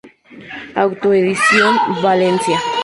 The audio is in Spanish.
Autoedición, Valencia.